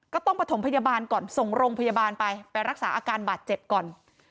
ก็ต้องประถมพยาบาลก่อนส่งโรงพยาบาลไปไปรักษาอาการบาดเจ็บก่อน